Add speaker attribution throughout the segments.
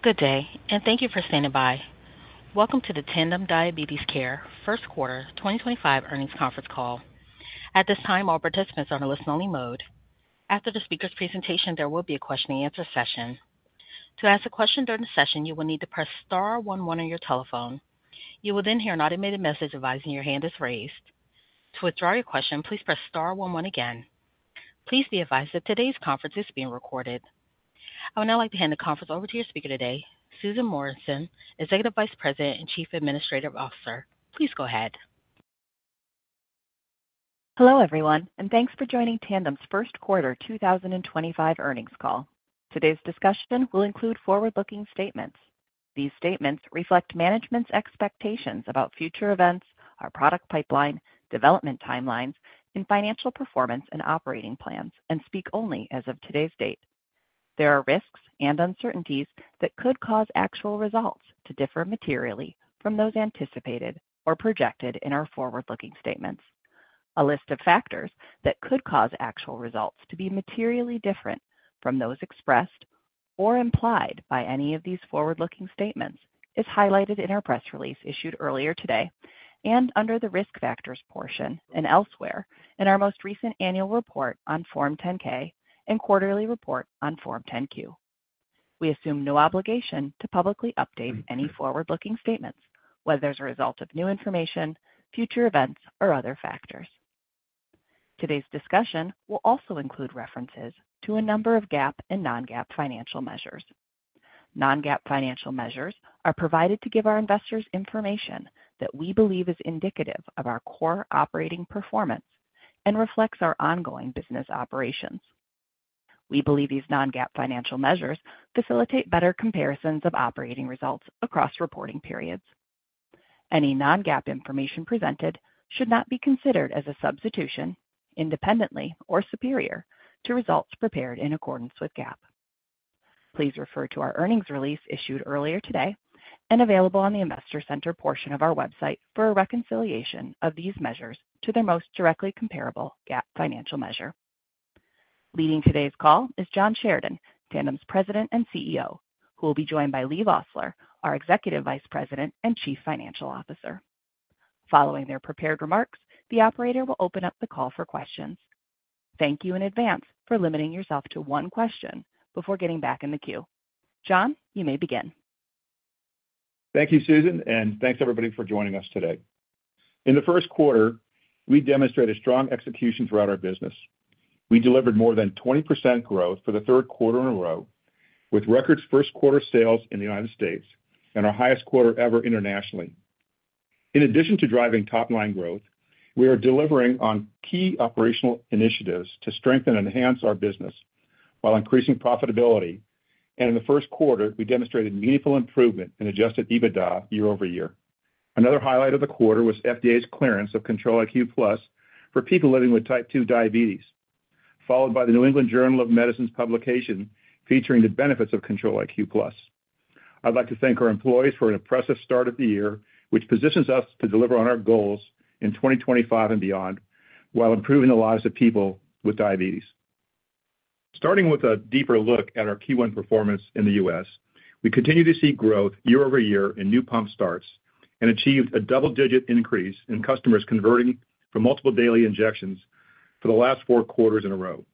Speaker 1: Good day, and thank you for standing by. Welcome to the Tandem Diabetes Care First Quarter 2025 Earnings Conference Call. At this time, all participants are in a listen-only mode. After the speaker's presentation, there will be a question-and-answer session. To ask a question during the session, you will need to press star one one on your telephone. You will then hear an automated message advising your hand is raised. To withdraw your question, please press star one one again. Please be advised that today's conference is being recorded. I would now like to hand the conference over to your speaker today, Susan Morrison, Executive Vice President and Chief Administrative Officer. Please go ahead.
Speaker 2: Hello, everyone, and thanks for joining Tandem's First Quarter 2025 Earnings Call. Today's discussion will include forward-looking statements. These statements reflect management's expectations about future events, our product pipeline, development timelines, and financial performance and operating plans, and speak only as of today's date. There are risks and uncertainties that could cause actual results to differ materially from those anticipated or projected in our forward-looking statements. A list of factors that could cause actual results to be materially different from those expressed or implied by any of these forward-looking statements is highlighted in our press release issued earlier today and under the risk factors portion and elsewhere in our most recent annual report on Form 10-K and quarterly report on Form 10-Q. We assume no obligation to publicly update any forward-looking statements, whether as a result of new information, future events, or other factors. Today's discussion will also include references to a number of GAAP and non-GAAP financial measures. Non-GAAP financial measures are provided to give our investors information that we believe is indicative of our core operating performance and reflects our ongoing business operations. We believe these non-GAAP financial measures facilitate better comparisons of operating results across reporting periods. Any non-GAAP information presented should not be considered as a substitution, independently or superior to results prepared in accordance with GAAP. Please refer to our earnings release issued earlier today and available on the Investor Center portion of our website for a reconciliation of these measures to their most directly comparable GAAP financial measure. Leading today's call is John Sheridan, Tandem's President and CEO, who will be joined by Leigh Vosseller, our Executive Vice President and Chief Financial Officer. Following their prepared remarks, the operator will open up the call for questions. Thank you in advance for limiting yourself to one question before getting back in the queue. John, you may begin.
Speaker 3: Thank you, Susan, and thanks everybody for joining us today. In the first quarter, we demonstrated strong execution throughout our business. We delivered more than 20% growth for the third quarter in a row, with record first quarter sales in the United States and our highest quarter ever internationally. In addition to driving top-line growth, we are delivering on key operational initiatives to strengthen and enhance our business while increasing profitability. In the first quarter, we demonstrated meaningful improvement in adjusted EBITDA year over year. Another highlight of the quarter was FDA's clearance of Control-IQ+ for people living with type 2 diabetes, followed by the New England Journal of Medicine's publication featuring the benefits of Control-IQ+. I'd like to thank our employees for an impressive start of the year, which positions us to deliver on our goals in 2025 and beyond while improving the lives of people with diabetes. Starting with a deeper look at our Q1 performance in the U.S., we continue to see growth year over year in new pump starts and achieved a double-digit increase in customers converting from multiple daily injections for the last four quarters in a row.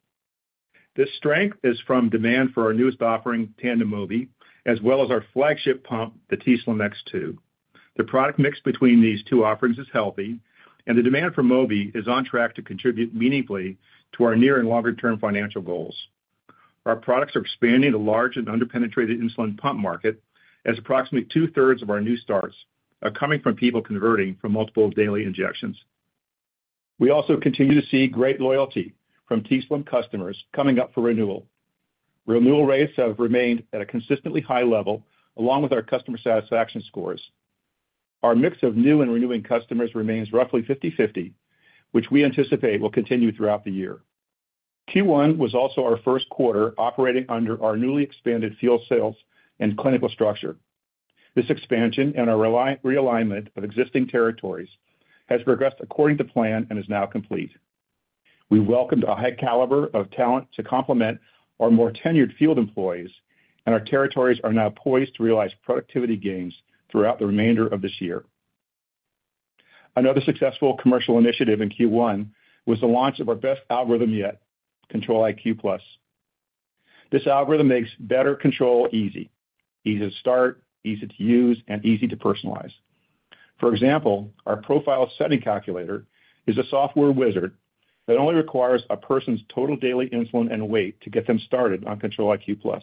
Speaker 3: This strength is from demand for our newest offering, Tandem Mobi, as well as our flagship pump, the t:slim X2. The product mix between these two offerings is healthy, and the demand for Mobi is on track to contribute meaningfully to our near and longer-term financial goals. Our products are expanding the large and under-penetrated insulin pump market, as approximately 2/3 of our new starts are coming from people converting from multiple daily injections. We also continue to see great loyalty from t:slim customers coming up for renewal. Renewal rates have remained at a consistently high level along with our customer satisfaction scores. Our mix of new and renewing customers remains roughly 50/50, which we anticipate will continue throughout the year. Q1 was also our first quarter operating under our newly expanded field sales and clinical structure. This expansion and our realignment of existing territories has progressed according to plan and is now complete. We welcomed a high caliber of talent to complement our more tenured field employees, and our territories are now poised to realize productivity gains throughout the remainder of this year. Another successful commercial initiative in Q1 was the launch of our best algorithm yet, Control-IQ+. This algorithm makes better control easy: easy to start, easy to use, and easy to personalize. For example, our profile setting calculator is a software wizard that only requires a person's total daily insulin and weight to get them started on Control-IQ+.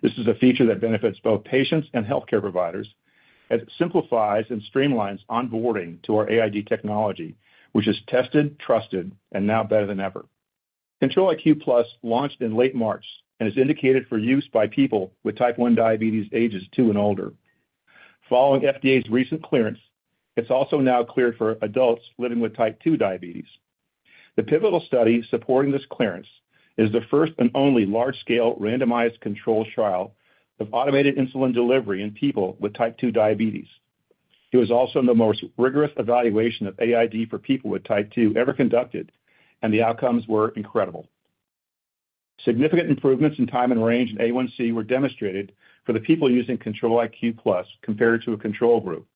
Speaker 3: This is a feature that benefits both patients and healthcare providers as it simplifies and streamlines onboarding to our AID technology, which is tested, trusted, and now better than ever. Control-IQ+ launched in late March and is indicated for use by people with type 1 diabetes ages 2 and older. Following FDA's recent clearance, it's also now cleared for adults living with type 2 diabetes. The pivotal study supporting this clearance is the first and only large-scale randomized controlled trial of automated insulin delivery in people with type 2 diabetes. It was also the most rigorous evaluation of AID for people with type 2 ever conducted, and the outcomes were incredible. Significant improvements in time in range and A1C were demonstrated for the people using Control-IQ+ compared to a control group.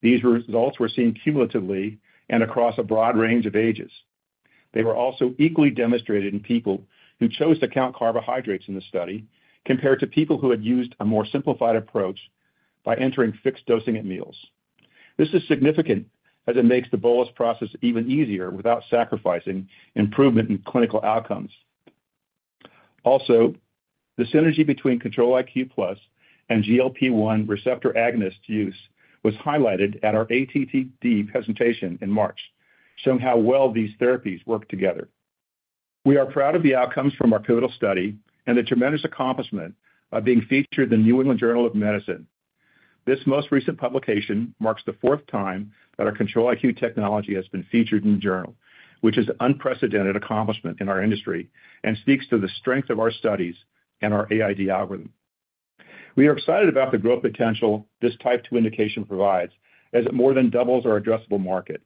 Speaker 3: These results were seen cumulatively and across a broad range of ages. They were also equally demonstrated in people who chose to count carbohydrates in the study compared to people who had used a more simplified approach by entering fixed dosing at meals. This is significant as it makes the bolus process even easier without sacrificing improvement in clinical outcomes. Also, the synergy between Control-IQ+ and GLP-1 receptor agonist use was highlighted at our ATTD presentation in March, showing how well these therapies work together. We are proud of the outcomes from our pivotal study and the tremendous accomplishment of being featured in the New England Journal of Medicine. This most recent publication marks the fourth time that our Control-IQ technology has been featured in the journal, which is an unprecedented accomplishment in our industry and speaks to the strength of our studies and our AID algorithm. We are excited about the growth potential this type 2 indication provides as it more than doubles our addressable market.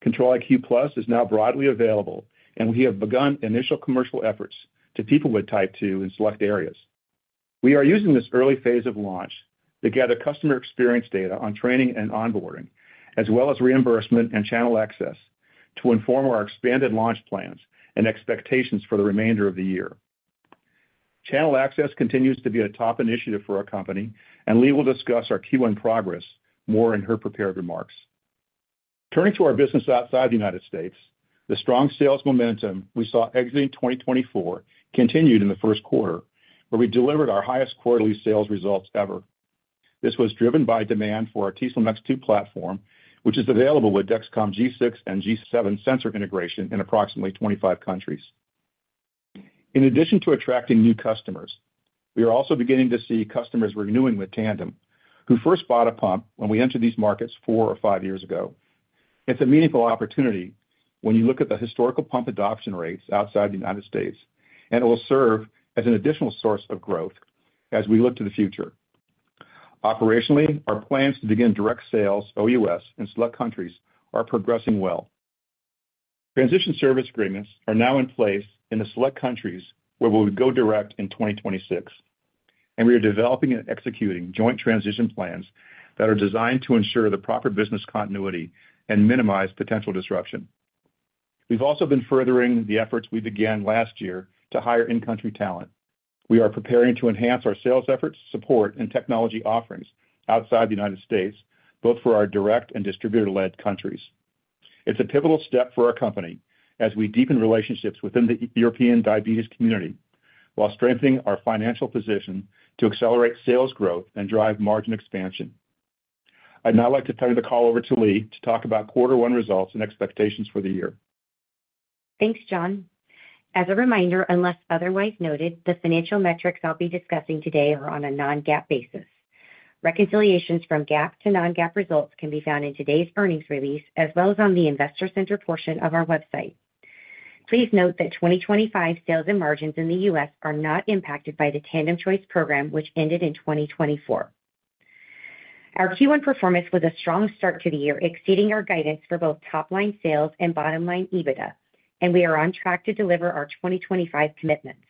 Speaker 3: Control-IQ+ is now broadly available, and we have begun initial commercial efforts to people with type 2 in select areas. We are using this early phase of launch to gather customer experience data on training and onboarding, as well as reimbursement and channel access to inform our expanded launch plans and expectations for the remainder of the year. Channel access continues to be a top initiative for our company, and Leigh will discuss our Q1 progress more in her prepared remarks. Turning to our business outside the United States, the strong sales momentum we saw exiting 2024 continued in the first quarter, where we delivered our highest quarterly sales results ever. This was driven by demand for our t:slim X2 platform, which is available with Dexcom G6 and G7 sensor integration in approximately 25 countries. In addition to attracting new customers, we are also beginning to see customers renewing with Tandem, who first bought a pump when we entered these markets four or five years ago. It's a meaningful opportunity when you look at the historical pump adoption rates outside the United States., and it will serve as an additional source of growth as we look to the future. Operationally, our plans to begin direct sales OUS in select countries are progressing well. Transition service agreements are now in place in the select countries where we will go direct in 2026, and we are developing and executing joint transition plans that are designed to ensure the proper business continuity and minimize potential disruption. We've also been furthering the efforts we began last year to hire in-country talent. We are preparing to enhance our sales efforts, support, and technology offerings outside the United States, both for our direct and distributor-led countries. It's a pivotal step for our company as we deepen relationships within the European diabetes community while strengthening our financial position to accelerate sales growth and drive margin expansion. I'd now like to turn the call over to Leigh to talk about quarter one results and expectations for the year.
Speaker 4: Thanks, John. As a reminder, unless otherwise noted, the financial metrics I'll be discussing today are on a non-GAAP basis. Reconciliations from GAAP to non-GAAP results can be found in today's earnings release as well as on the Investor Center portion of our website. Please note that 2025 sales and margins in the U.S. are not impacted by the Tandem Choice Program, which ended in 2024. Our Q1 performance was a strong start to the year, exceeding our guidance for both top-line sales and bottom-line EBITDA, and we are on track to deliver our 2025 commitments.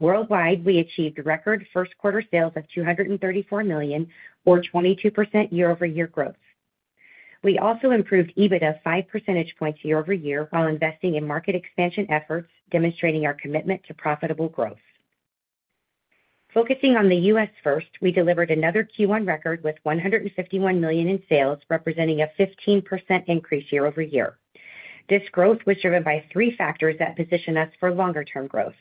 Speaker 4: Worldwide, we achieved record first-quarter sales of $234 million, or 22% year-over-year growth. We also improved EBITDA 5% points year-over-year while investing in market expansion efforts, demonstrating our commitment to profitable growth. Focusing on the U.S. first, we delivered another Q1 record with $151 million in sales, representing a 15% increase year-over-year. This growth was driven by three factors that position us for longer-term growth.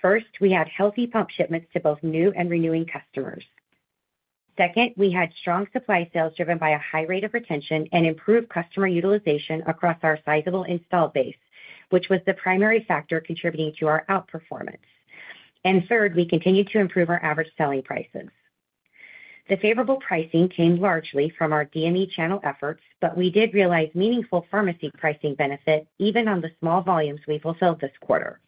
Speaker 4: First, we had healthy pump shipments to both new and renewing customers. Second, we had strong supply sales driven by a high rate of retention and improved customer utilization across our sizable install base, which was the primary factor contributing to our outperformance. Third, we continued to improve our average selling prices. The favorable pricing came largely from our DME channel efforts, but we did realize meaningful pharmacy pricing benefit even on the small volumes we fulfilled this quarter.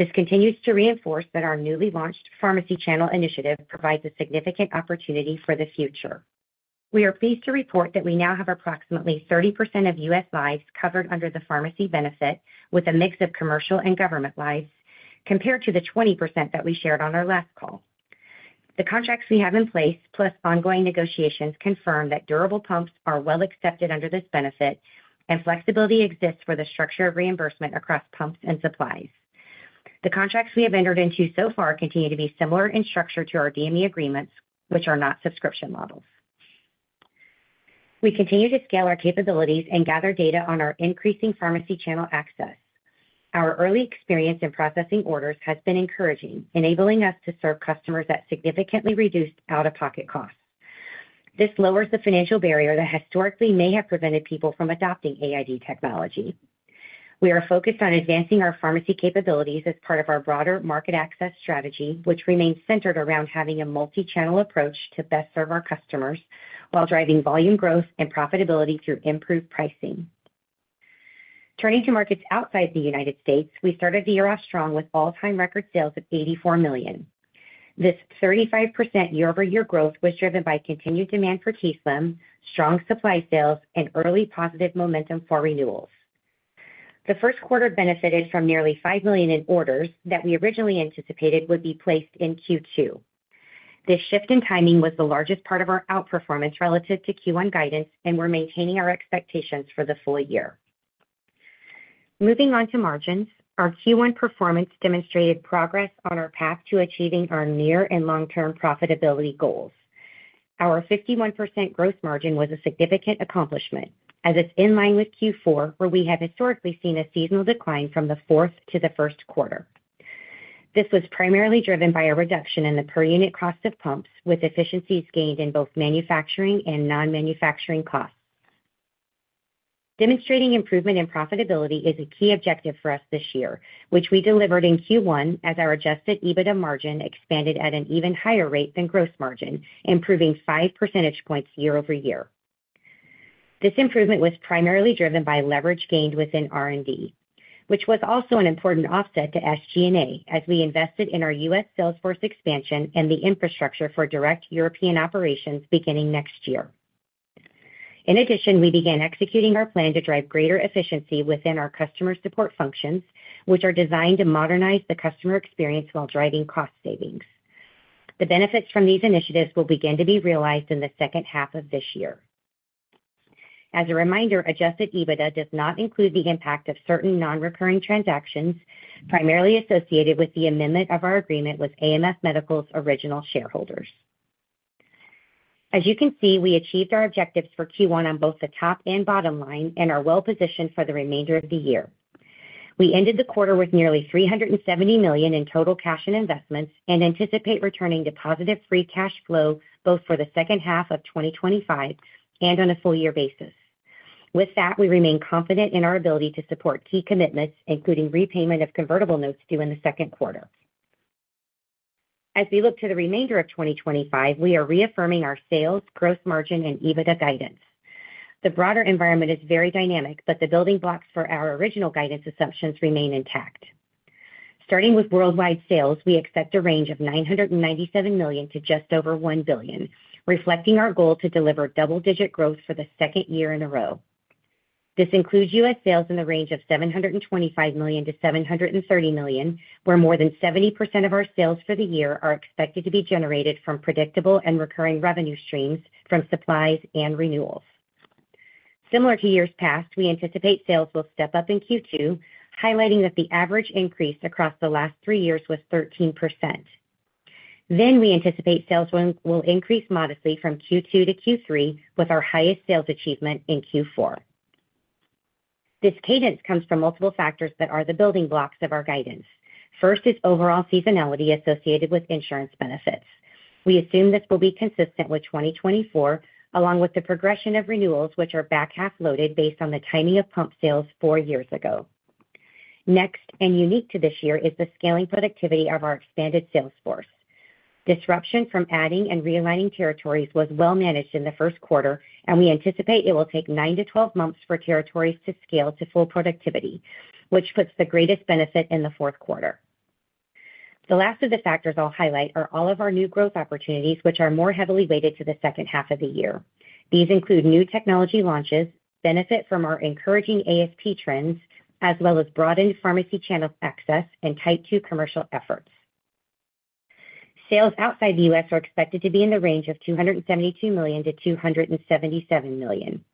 Speaker 4: This continues to reinforce that our newly launched pharmacy channel initiative provides a significant opportunity for the future. We are pleased to report that we now have approximately 30% of U.S. lives covered under the pharmacy benefit, with a mix of commercial and government lives, compared to the 20% that we shared on our last call. The contracts we have in place, plus ongoing negotiations, confirm that durable pumps are well accepted under this benefit, and flexibility exists for the structure of reimbursement across pumps and supplies. The contracts we have entered into so far continue to be similar in structure to our DME agreements, which are not subscription models. We continue to scale our capabilities and gather data on our increasing pharmacy channel access. Our early experience in processing orders has been encouraging, enabling us to serve customers at significantly reduced out-of-pocket costs. This lowers the financial barrier that historically may have prevented people from adopting AID technology. We are focused on advancing our pharmacy capabilities as part of our broader market access strategy, which remains centered around having a multi-channel approach to best serve our customers while driving volume growth and profitability through improved pricing. Turning to markets outside the United States, we started the year off strong with all-time record sales of $84 million. This 35% year-over-year growth was driven by continued demand for t:slim, strong supply sales, and early positive momentum for renewals. The first quarter benefited from nearly $5 million in orders that we originally anticipated would be placed in Q2. This shift in timing was the largest part of our outperformance relative to Q1 guidance, and we're maintaining our expectations for the full year. Moving on to margins, our Q1 performance demonstrated progress on our path to achieving our near and long-term profitability goals. Our 51% gross margin was a significant accomplishment, as it's in line with Q4, where we have historically seen a seasonal decline from the fourth to the first quarter. This was primarily driven by a reduction in the per-unit cost of pumps, with efficiencies gained in both manufacturing and non-manufacturing costs. Demonstrating improvement in profitability is a key objective for us this year, which we delivered in Q1 as our adjusted EBITDA margin expanded at an even higher rate than gross margin, improving 5% points year-over-year. This improvement was primarily driven by leverage gained within R&D, which was also an important offset to SG&A as we invested in our U.S. Salesforce expansion and the infrastructure for direct European operations beginning next year. In addition, we began executing our plan to drive greater efficiency within our customer support functions, which are designed to modernize the customer experience while driving cost savings. The benefits from these initiatives will begin to be realized in the second half of this year. As a reminder, adjusted EBITDA does not include the impact of certain non-recurring transactions primarily associated with the amendment of our agreement with AMS Medical's original shareholders. As you can see, we achieved our objectives for Q1 on both the top and bottom line and are well-positioned for the remainder of the year. We ended the quarter with nearly $370 million in total cash and investments and anticipate returning to positive free cash flow both for the second half of 2025 and on a full-year basis. With that, we remain confident in our ability to support key commitments, including repayment of convertible notes due in the second quarter. As we look to the remainder of 2025, we are reaffirming our sales, gross margin, and EBITDA guidance. The broader environment is very dynamic, but the building blocks for our original guidance assumptions remain intact. Starting with worldwide sales, we accept a range of $997 million to just over $1 billion, reflecting our goal to deliver double-digit growth for the second year in a row. This includes U.S. sales in the range of $725 million-$730 million, where more than 70% of our sales for the year are expected to be generated from predictable and recurring revenue streams from supplies and renewals. Similar to years past, we anticipate sales will step up in Q2, highlighting that the average increase across the last three years was 13%. We anticipate sales will increase modestly from Q2 to Q3, with our highest sales achievement in Q4. This cadence comes from multiple factors that are the building blocks of our guidance. First is overall seasonality associated with insurance benefits. We assume this will be consistent with 2024, along with the progression of renewals, which are back half loaded based on the timing of pump sales four years ago. Next, and unique to this year, is the scaling productivity of our expanded Salesforce. Disruption from adding and realigning territories was well-managed in the first quarter, and we anticipate it will take 9-12 months for territories to scale to full productivity, which puts the greatest benefit in the fourth quarter. The last of the factors I'll highlight are all of our new growth opportunities, which are more heavily weighted to the second half of the year. These include new technology launches, benefit from our encouraging ASP trends, as well as broadened pharmacy channel access and type 2 commercial efforts. Sales outside the U.S. are expected to be in the range of $272 million-$277 million.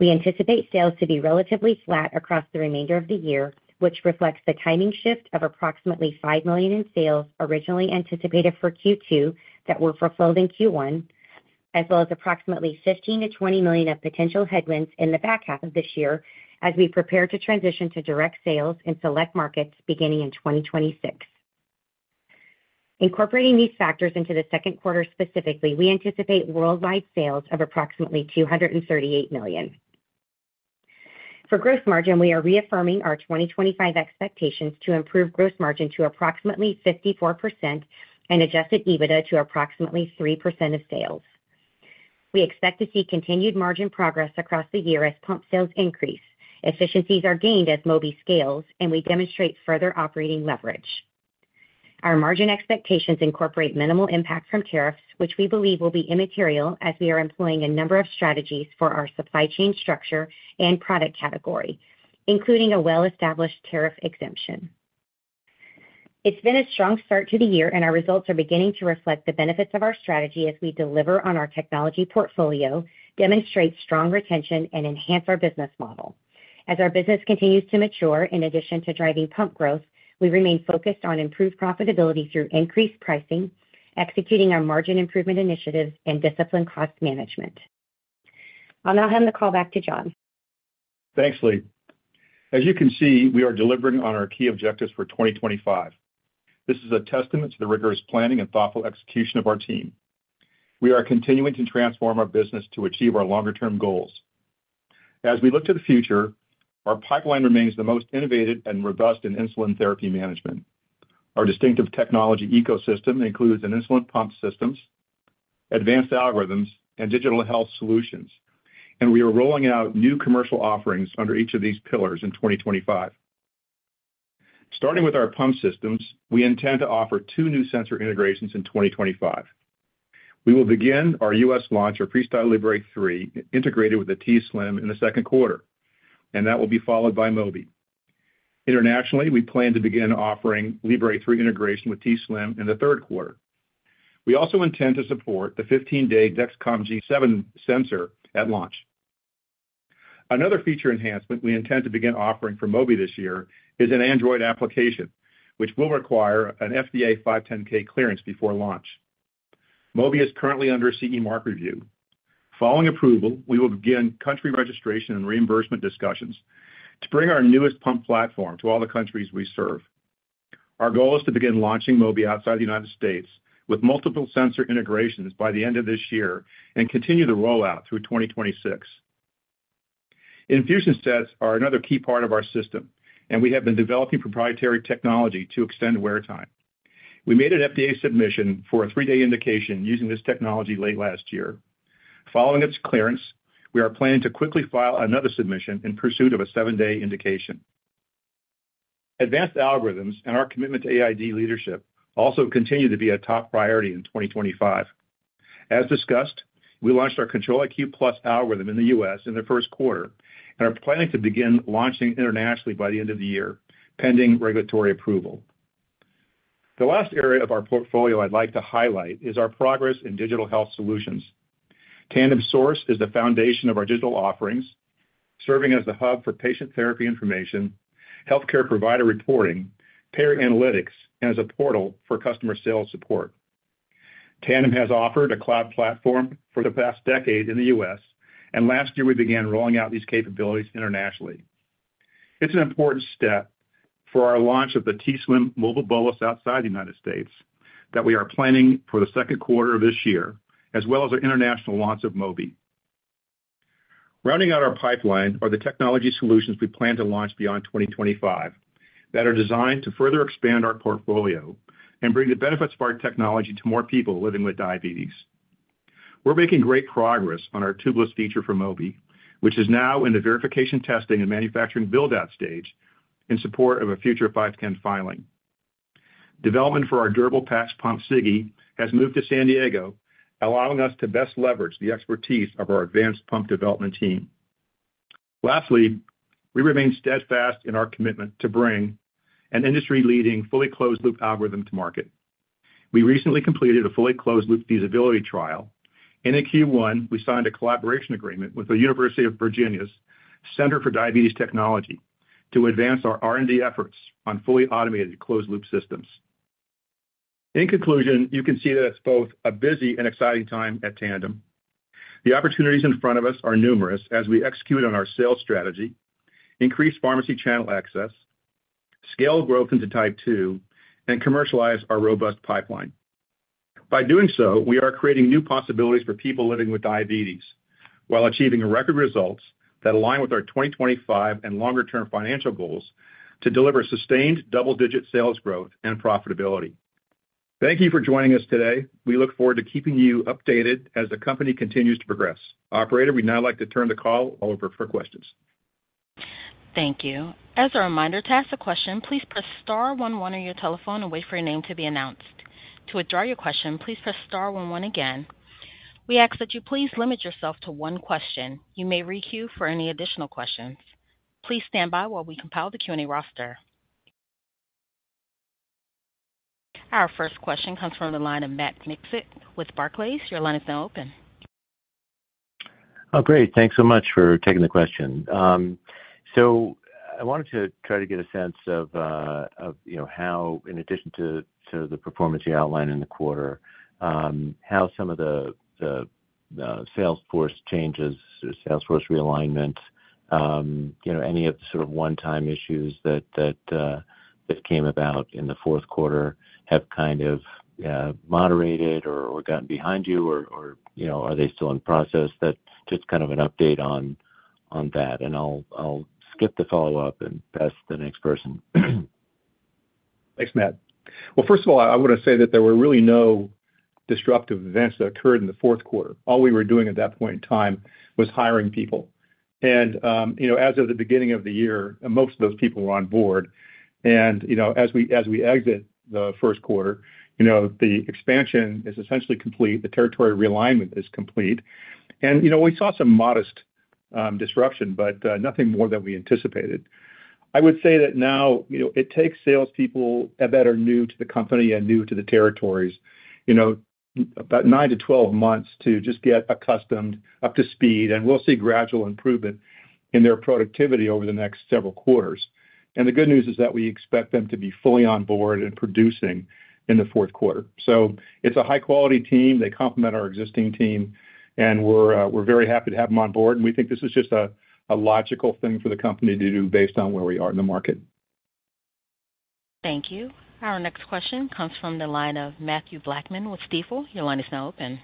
Speaker 4: We anticipate sales to be relatively flat across the remainder of the year, which reflects the timing shift of approximately $5 million in sales originally anticipated for Q2 that were fulfilled in Q1, as well as approximately $15-$20 million of potential headwinds in the back half of this year as we prepare to transition to direct sales in select markets beginning in 2026. Incorporating these factors into the second quarter specifically, we anticipate worldwide sales of approximately $238 million. For gross margin, we are reaffirming our 2025 expectations to improve gross margin to approximately 54% and adjusted EBITDA to approximately 3% of sales. We expect to see continued margin progress across the year as pump sales increase. Efficiencies are gained as Mobi scales, and we demonstrate further operating leverage. Our margin expectations incorporate minimal impact from tariffs, which we believe will be immaterial as we are employing a number of strategies for our supply chain structure and product category, including a well-established tariff exemption. It's been a strong start to the year, and our results are beginning to reflect the benefits of our strategy as we deliver on our technology portfolio, demonstrate strong retention, and enhance our business model. As our business continues to mature in addition to driving pump growth, we remain focused on improved profitability through increased pricing, executing our margin improvement initiatives, and disciplined cost management. I'll now hand the call back to John.
Speaker 3: Thanks, Leigh. As you can see, we are delivering on our key objectives for 2025. This is a testament to the rigorous planning and thoughtful execution of our team. We are continuing to transform our business to achieve our longer-term goals. As we look to the future, our pipeline remains the most innovative and robust in insulin therapy management. Our distinctive technology ecosystem includes insulin pump systems, advanced algorithms, and digital health solutions, and we are rolling out new commercial offerings under each of these pillars in 2025. Starting with our pump systems, we intend to offer two new sensor integrations in 2025. We will begin our U.S. launch of FreeStyle Libre 3 integrated with the t:slim in the second quarter, and that will be followed by Mobi. Internationally, we plan to begin offering Libre 3 integration with t:slim in the third quarter. We also intend to support the 15-day Dexcom G7 sensor at launch. Another feature enhancement we intend to begin offering for Mobi this year is an Android application, which will require an FDA 510(k) clearance before launch. Mobi is currently under CE Mark review. Following approval, we will begin country registration and reimbursement discussions to bring our newest pump platform to all the countries we serve. Our goal is to begin launching Mobi outside the U.S. with multiple sensor integrations by the end of this year and continue the rollout through 2026. Infusion sets are another key part of our system, and we have been developing proprietary technology to extend wear time. We made an FDA submission for a three-day indication using this technology late last year. Following its clearance, we are planning to quickly file another submission in pursuit of a seven-day indication. Advanced algorithms and our commitment to AID leadership also continue to be a top priority in 2025. As discussed, we launched our Control-IQ+ algorithm in the U.S. in the first quarter and are planning to begin launching internationally by the end of the year, pending regulatory approval. The last area of our portfolio I'd like to highlight is our progress in digital health solutions. Tandem Source is the foundation of our digital offerings, serving as the hub for patient therapy information, healthcare provider reporting, payer analytics, and as a portal for customer sales support. Tandem has offered a cloud platform for the past decade in the U.S., and last year we began rolling out these capabilities internationally. It's an important step for our launch of the t:slim mobile bolus outside the United States that we are planning for the second quarter of this year, as well as our international launch of Mobi. Rounding out our pipeline are the technology solutions we plan to launch beyond 2025 that are designed to further expand our portfolio and bring the benefits of our technology to more people living with diabetes. We're making great progress on our tubeless feature for Mobi, which is now in the verification, testing, and manufacturing build-out stage in support of a future 510(k) filing. Development for our durable patch pump, SIGGI, has moved to San Diego, allowing us to best leverage the expertise of our advanced pump development team. Lastly, we remain steadfast in our commitment to bring an industry-leading fully closed-loop algorithm to market. We recently completed a fully closed-loop feasibility trial. In Q1, we signed a collaboration agreement with the University of Virginia's Center for Diabetes Technology to advance our R&D efforts on fully automated closed-loop systems. In conclusion, you can see that it's both a busy and exciting time at Tandem. The opportunities in front of us are numerous as we execute on our sales strategy, increase pharmacy channel access, scale growth into type 2, and commercialize our robust pipeline. By doing so, we are creating new possibilities for people living with diabetes while achieving record results that align with our 2025 and longer-term financial goals to deliver sustained double-digit sales growth and profitability. Thank you for joining us today. We look forward to keeping you updated as the company continues to progress. Operator, we'd now like to turn the call over for questions.
Speaker 1: Thank you. As a reminder, to ask a question, please press star one one on your telephone and wait for your name to be announced. To withdraw your question, please press star one one again. We ask that you please limit yourself to one question. You may re-queue for any additional questions. Please stand by while we compile the Q&A roster. Our first question comes from the line of Matt Miksic with Barclays. Your line is now open.
Speaker 5: Great. Thanks so much for taking the question. I wanted to try to get a sense of how, in addition to the performance you outlined in the quarter, how some of the Salesforce changes or Salesforce realignment, any of the sort of one-time issues that came about in the fourth quarter have kind of moderated or gotten behind you, or are they still in process? Just kind of an update on that. I'll skip the follow-up and pass to the next person.
Speaker 3: Thanks, Matt. First of all, I want to say that there were really no disruptive events that occurred in the fourth quarter. All we were doing at that point in time was hiring people. As of the beginning of the year, most of those people were on board. As we exit the first quarter, the expansion is essentially complete. The territory realignment is complete. We saw some modest disruption, but nothing more than we anticipated. I would say that now it takes salespeople that are new to the company and new to the territories about 9-12 months to just get accustomed, up to speed, and we'll see gradual improvement in their productivity over the next several quarters. The good news is that we expect them to be fully on board and producing in the fourth quarter. It is a high-quality team. They complement our existing team, and we're very happy to have them on board. We think this is just a logical thing for the company to do based on where we are in the market.
Speaker 1: Thank you. Our next question comes from the line of Mathew Blackman with Stifel. Your line is now open.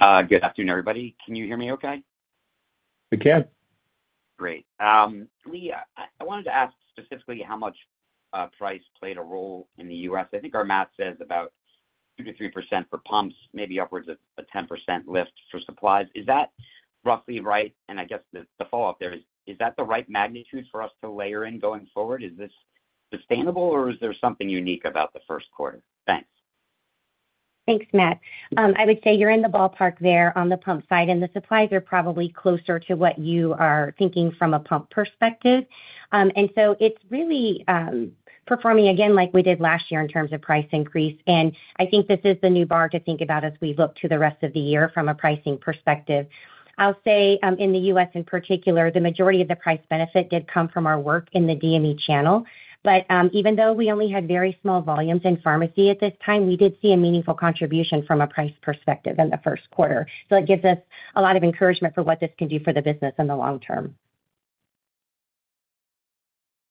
Speaker 6: Good afternoon, everybody. Can you hear me okay?
Speaker 3: We can.
Speaker 6: Great. Leigh, I wanted to ask specifically how much price played a role in the U.S.. I think our math says about 2-3% for pumps, maybe upwards of a 10% lift for supplies. Is that roughly right? I guess the follow-up there is, is that the right magnitude for us to layer in going forward? Is this sustainable, or is there something unique about the first quarter? Thanks.
Speaker 4: Thanks, Mat. I would say you're in the ballpark there on the pump side, and the supplies are probably closer to what you are thinking from a pump perspective. It is really performing again like we did last year in terms of price increase. I think this is the new bar to think about as we look to the rest of the year from a pricing perspective. I'll say in the U.S. in particular, the majority of the price benefit did come from our work in the DME channel. Even though we only had very small volumes in pharmacy at this time, we did see a meaningful contribution from a price perspective in the first quarter. It gives us a lot of encouragement for what this can do for the business in the long term.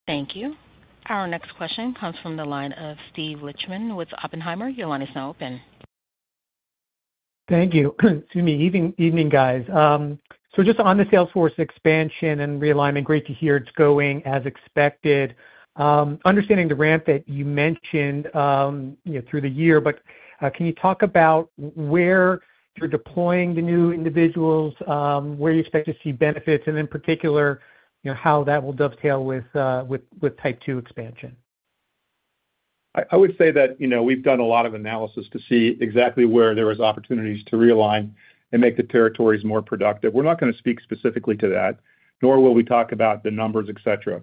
Speaker 1: Thank you. Our next question comes from the line of Steve Lichtman with Oppenheimer. Your line is now open.
Speaker 7: Thank you. Excuse me. Evening, guys. Just on the Salesforce expansion and realignment, great to hear it's going as expected. Understanding the ramp that you mentioned through the year, can you talk about where you're deploying the new individuals, where you expect to see benefits, and in particular, how that will dovetail with type 2 expansion?
Speaker 3: I would say that we've done a lot of analysis to see exactly where there are opportunities to realign and make the territories more productive. We're not going to speak specifically to that, nor will we talk about the numbers, etc.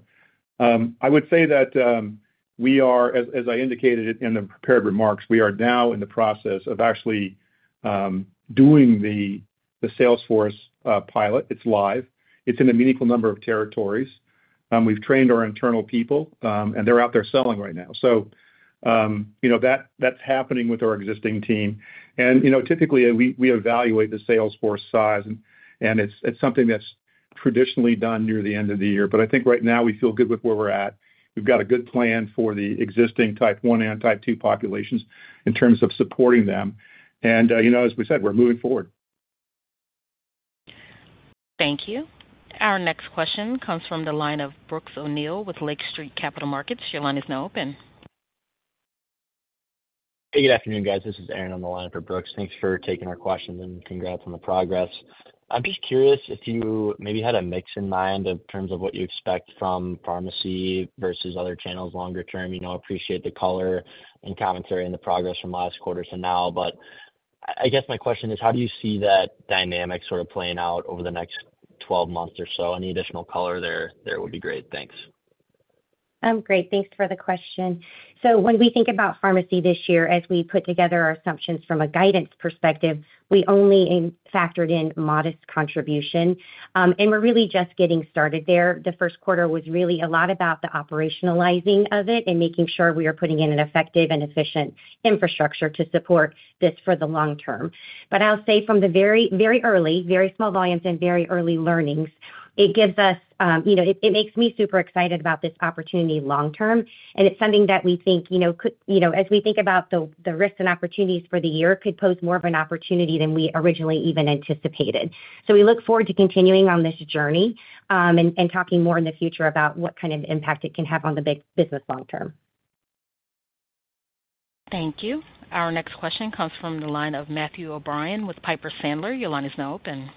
Speaker 3: I would say that we are, as I indicated in the prepared remarks, we are now in the process of actually doing the Salesforce pilot. It's live. It's in a meaningful number of territories. We've trained our internal people, and they're out there selling right now. That is happening with our existing team. Typically, we evaluate the Salesforce size, and it's something that's traditionally done near the end of the year. I think right now we feel good with where we're at. We've got a good plan for the existing type 1 and type 2 populations in terms of supporting them. As we said, we're moving forward.
Speaker 1: Thank you. Our next question comes from the line of Brooks O'Neill with Lake Street Capital Markets. Your line is now open. Hey, good afternoon, guys. This is Aaron on the line for Brooks. Thanks for taking our questions and congrats on the progress. I'm just curious if you maybe had a mix in mind in terms of what you expect from pharmacy vs other channels longer term. I appreciate the color and commentary and the progress from last quarter to now. I guess my question is, how do you see that dynamic sort of playing out over the next 12 months or so? Any additional color there would be great. Thanks.
Speaker 4: Great. Thanks for the question. When we think about pharmacy this year, as we put together our assumptions from a guidance perspective, we only factored in modest contribution. We are really just getting started there. The first quarter was really a lot about the operationalizing of it and making sure we are putting in an effective and efficient infrastructure to support this for the long term. I'll say from the very early, very small volumes and very early learnings, it gives us, it makes me super excited about this opportunity long term. It is something that we think, as we think about the risks and opportunities for the year, could pose more of an opportunity than we originally even anticipated. We look forward to continuing on this journey and talking more in the future about what kind of impact it can have on the business long term.
Speaker 1: Thank you. Our next question comes from the line of Matthew O'Brien with Piper Sandler. Your line is now open.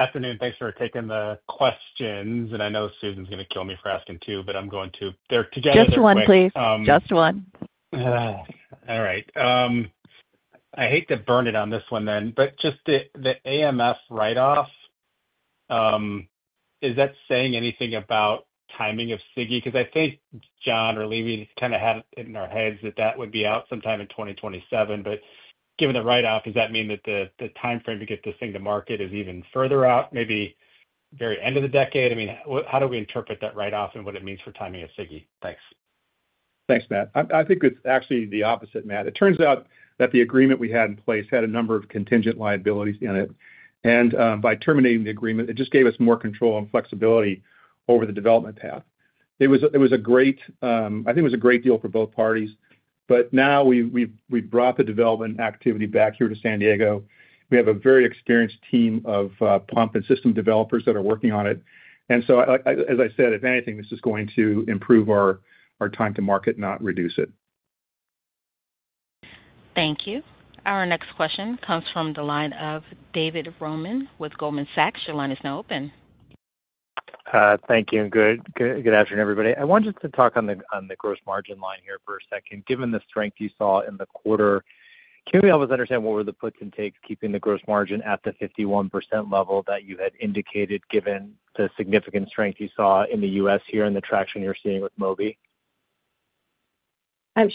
Speaker 8: Good afternoon. Thanks for taking the questions. I know Susan's going to kill me for asking two, but I'm going to.
Speaker 1: Just one, please. Just one.
Speaker 8: All right. I hate to burn it on this one then, but just the AMF write-off, is that saying anything about timing of SIGGI? Because I think John or Leigh kind of had it in our heads that that would be out sometime in 2027. Given the write-off, does that mean that the timeframe to get this thing to market is even further out, maybe very end of the decade? I mean, how do we interpret that write-off and what it means for timing of SIGGI? Thanks.
Speaker 3: Thanks, Matt. I think it's actually the opposite, Matt. It turns out that the agreement we had in place had a number of contingent liabilities in it. By terminating the agreement, it just gave us more control and flexibility over the development path. It was a great, I think it was a great deal for both parties. Now we've brought the development activity back here to San Diego. We have a very experienced team of pump and system developers that are working on it. As I said, if anything, this is going to improve our time to market, not reduce it.
Speaker 1: Thank you. Our next question comes from the line of David Roman with Goldman Sachs. Your line is now open.
Speaker 9: Thank you. Good afternoon, everybody. I wanted to talk on the gross margin line here for a second. Given the strength you saw in the quarter, can we always understand what were the puts and takes keeping the gross margin at the 51% level that you had indicated, given the significant strength you saw in the U.S. here and the traction you're seeing with Mobi?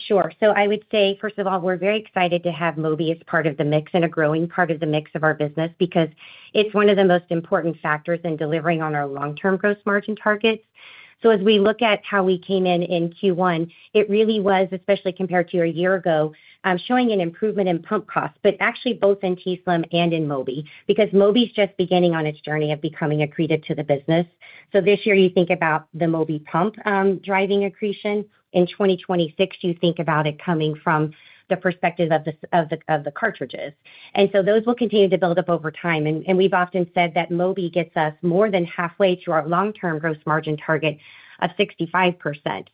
Speaker 4: Sure. I would say, first of all, we're very excited to have Mobi as part of the mix and a growing part of the mix of our business because it's one of the most important factors in delivering on our long-term gross margin targets. As we look at how we came in in Q1, it really was, especially compared to a year ago, showing an improvement in pump costs, actually both in t:slim and in Mobi because Mobi is just beginning on its journey of becoming accretive to the business. This year, you think about the Mobi pump driving accretion. In 2026, you think about it coming from the perspective of the cartridges. Those will continue to build up over time. We've often said that Mobi gets us more than halfway to our long-term gross margin target of 65%.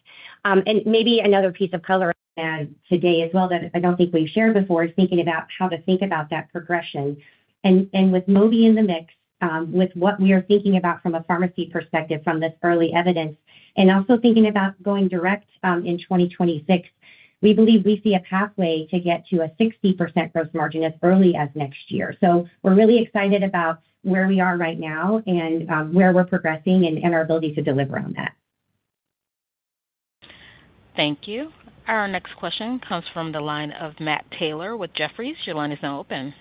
Speaker 4: Maybe another piece of color I had today as well that I do not think we have shared before is thinking about how to think about that progression. With Mobi in the mix, with what we are thinking about from a pharmacy perspective from this early evidence, and also thinking about going direct in 2026, we believe we see a pathway to get to a 60% gross margin as early as next year. We are really excited about where we are right now and where we are progressing and our ability to deliver on that.
Speaker 1: Thank you. Our next question comes from the line of Matt Taylor with Jefferies. Your line is now open.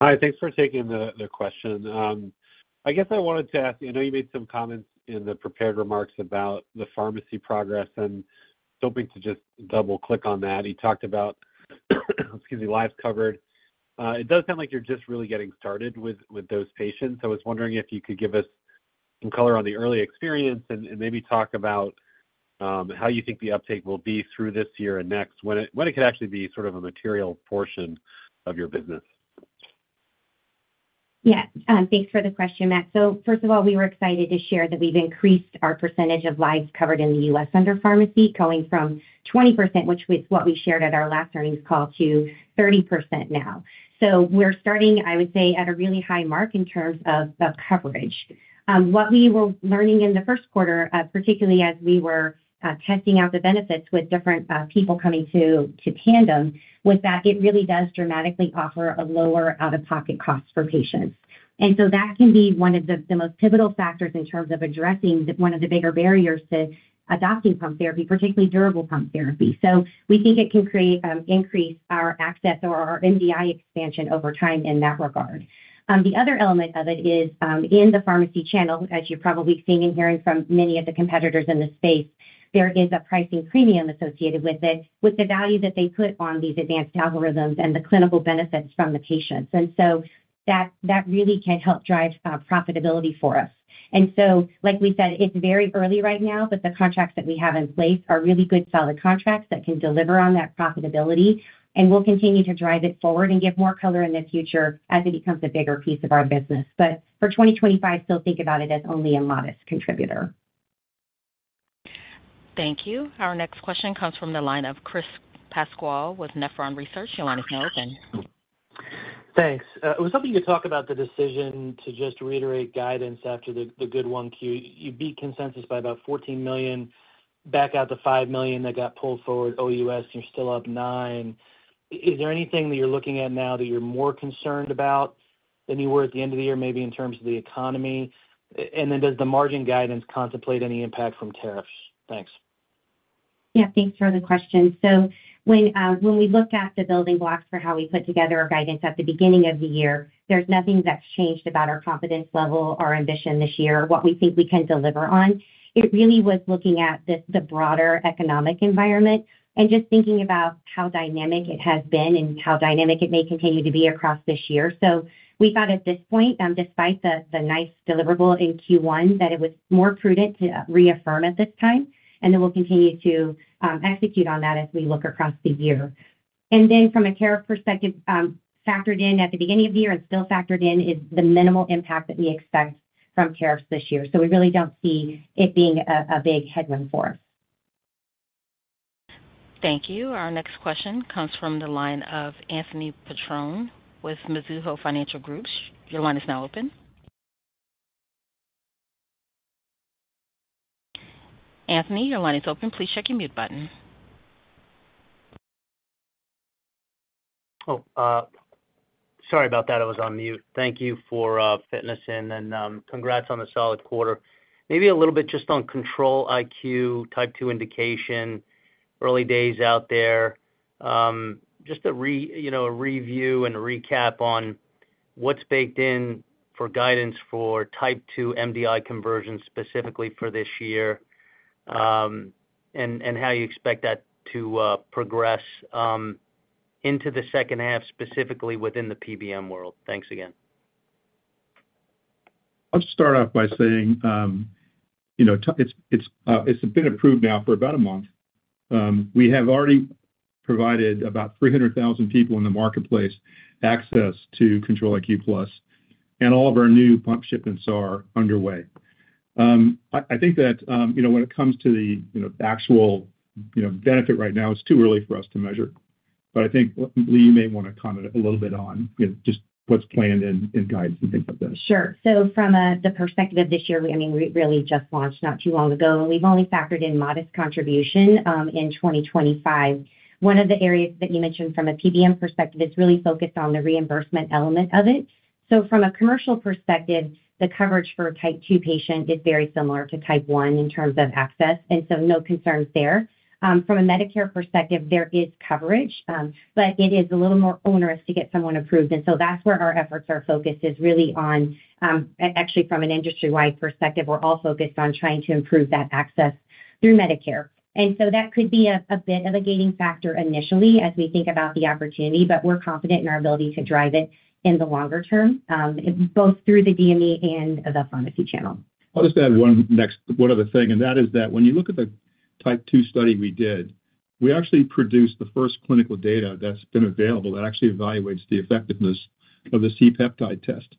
Speaker 10: Hi. Thanks for taking the question. I guess I wanted to ask, I know you made some comments in the prepared remarks about the pharmacy progress, and I'm hoping to just double-click on that. You talked about, excuse me, lives covered. It does sound like you're just really getting started with those patients. I was wondering if you could give us some color on the early experience and maybe talk about how you think the uptake will be through this year and next, when it could actually be sort of a material portion of your business.
Speaker 4: Yes. Thanks for the question, Matt. First of all, we were excited to share that we've increased our % of lives covered in the U.S. under pharmacy, going from 20%, which was what we shared at our last earnings call, to 30% now. We are starting, I would say, at a really high mark in terms of coverage. What we were learning in the first quarter, particularly as we were testing out the benefits with different people coming to Tandem, was that it really does dramatically offer a lower out-of-pocket cost for patients. That can be one of the most pivotal factors in terms of addressing one of the bigger barriers to adopting pump therapy, particularly durable pump therapy. We think it can create an increase in our access or our MDI expansion over time in that regard. The other element of it is in the pharmacy channel, as you're probably seeing and hearing from many of the competitors in the space, there is a pricing premium associated with it, with the value that they put on these advanced algorithms and the clinical benefits from the patients. That really can help drive profitability for us. Like we said, it's very early right now, but the contracts that we have in place are really good, solid contracts that can deliver on that profitability. We'll continue to drive it forward and give more color in the future as it becomes a bigger piece of our business. For 2025, still think about it as only a modest contributor.
Speaker 1: Thank you. Our next question comes from the line of Chris Pasquale with Nephron Research. Your line is now open.
Speaker 11: Thanks. I was hoping you'd talk about the decision to just reiterate guidance after the good one Q. You beat consensus by about $14 million, back out the $5 million that got pulled forward OUS, and you're still up $9 million. Is there anything that you're looking at now that you're more concerned about than you were at the end of the year, maybe in terms of the economy? Does the margin guidance contemplate any impact from tariffs? Thanks.
Speaker 4: Yeah. Thanks for the question. When we look at the building blocks for how we put together our guidance at the beginning of the year, there's nothing that's changed about our confidence level, our ambition this year, what we think we can deliver on. It really was looking at the broader economic environment and just thinking about how dynamic it has been and how dynamic it may continue to be across this year. We thought at this point, despite the nice deliverable in Q1, that it was more prudent to reaffirm at this time, and then we'll continue to execute on that as we look across the year. From a tariff perspective, factored in at the beginning of the year and still factored in is the minimal impact that we expect from tariffs this year. We really don't see it being a big headwind for us.
Speaker 1: Thank you. Our next question comes from the line of Anthony Patrone with Mizuho Financial Group. Your line is now open. Anthony, your line is open. Please check your mute button.
Speaker 12: Oh, sorry about that. I was on mute. Thank you for fitting us in. And congrats on the solid quarter. Maybe a little bit just on Control-IQ, type 2 indication, early days out there. Just a review and a recap on what's baked in for guidance for type 2 MDI conversion specifically for this year and how you expect that to progress into the second half, specifically within the PBM world. Thanks again.
Speaker 3: I'll start off by saying it's been approved now for about a month. We have already provided about 300,000 people in the marketplace access to Control-IQ+, and all of our new pump shipments are underway. I think that when it comes to the actual benefit right now, it's too early for us to measure. I think Leigh may want to comment a little bit on just what's planned in guidance and things like that.
Speaker 4: Sure. From the perspective of this year, I mean, we really just launched not too long ago. We've only factored in modest contribution in 2025. One of the areas that you mentioned from a PBM perspective is really focused on the reimbursement element of it. From a commercial perspective, the coverage for a type 2 patient is very similar to type 1 in terms of access. No concerns there. From a Medicare perspective, there is coverage, but it is a little more onerous to get someone approved. That's where our efforts are focused, actually, from an industry-wide perspective. We're all focused on trying to improve that access through Medicare. That could be a bit of a gating factor initially as we think about the opportunity, but we're confident in our ability to drive it in the longer term, both through the DME and the pharmacy channel.
Speaker 3: I'll just add one other thing. That is that when you look at the type 2 study we did, we actually produced the first clinical data that's been available that actually evaluates the effectiveness of the C-peptide test.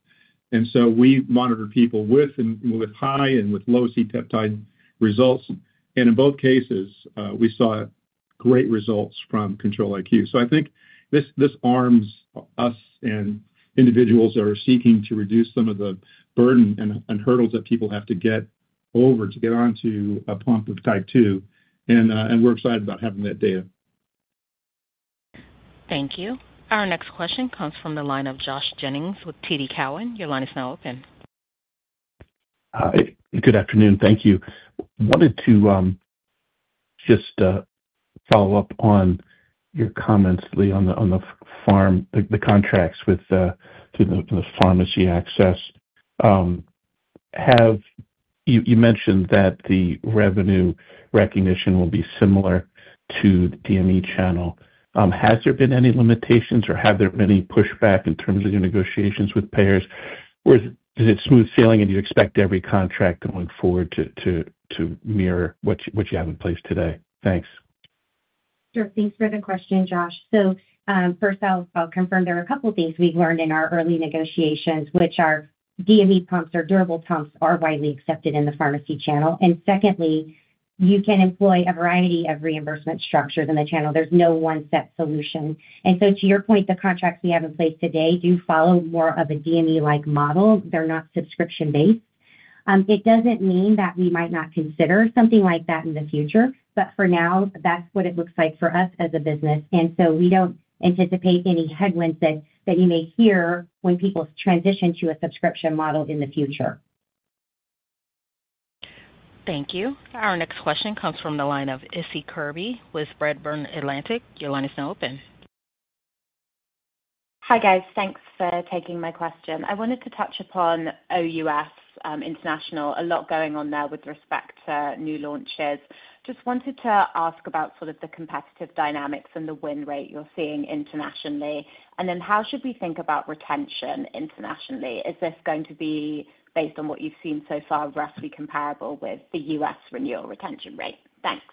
Speaker 3: We monitored people with high and with low C-peptide results. In both cases, we saw great results from Control-IQ. I think this arms us and individuals that are seeking to reduce some of the burden and hurdles that people have to get over to get onto a pump of type 2. We're excited about having that data.
Speaker 1: Thank you. Our next question comes from the line of Josh Jennings with TD Cowen. Your line is now open.
Speaker 13: Good afternoon. Thank you. Wanted to just follow up on your comments, Lee, on the contracts with the pharmacy access. You mentioned that the revenue recognition will be similar to the DME channel. Has there been any limitations or have there been any pushback in terms of your negotiations with payers? Or is it smooth sailing and you expect every contract going forward to mirror what you have in place today? Thanks.
Speaker 4: Sure. Thanks for the question, Josh. First, I'll confirm there are a couple of things we've learned in our early negotiations, which are DME pumps or durable pumps are widely accepted in the pharmacy channel. Secondly, you can employ a variety of reimbursement structures in the channel. There's no one set solution. To your point, the contracts we have in place today do follow more of a DME-like model. They're not subscription-based. It doesn't mean that we might not consider something like that in the future, but for now, that's what it looks like for us as a business. We don't anticipate any headwinds that you may hear when people transition to a subscription model in the future.
Speaker 1: Thank you. Our next question comes from the line of Issie Kirby with Redburn Atlantic. Your line is now open.
Speaker 14: Hi guys. Thanks for taking my question. I wanted to touch upon OUS International. A lot going on there with respect to new launches. Just wanted to ask about sort of the competitive dynamics and the win rate you're seeing internationally. How should we think about retention internationally? Is this going to be based on what you've seen so far, roughly comparable with the U.S. renewal retention rate? Thanks.